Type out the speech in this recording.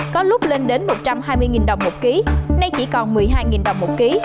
có lúc lên đến một trăm hai mươi đồng một ký nay chỉ còn một mươi hai đồng một ký